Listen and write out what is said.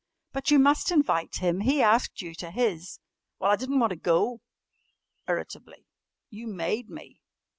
"But you must invite him. He asked you to his." "Well, I didn't want to go," irritably, "you made me."